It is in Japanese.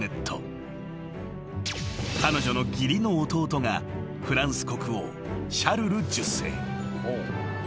［彼女の義理の弟がフランス国王シャルル１０世］